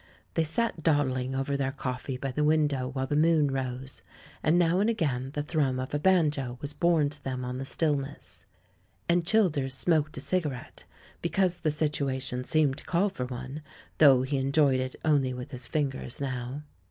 They sat dawdhng over their coffee by the win dow while the moon rose, and now and again the thrum of a banjo was borne to them on the still ness. And Childers smoked a cigarette, because the situation seemed to call for one, though he enjoyed it only with his fingers now.